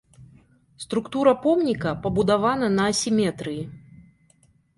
Структура помніка пабудавана на асіметрыі.